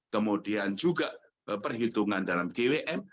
kemudian juga perhitungan dalam gwm